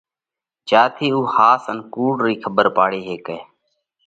جيا ٿِي اُو ۿاس ان ڪُوڙ رئي کٻر پاڙي ھيڪئہ۔